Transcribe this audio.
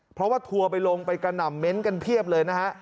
เพราะว่าทัวร์ไปลงไปกระหน่ำเน้นกันเพียบเลยนะฮะ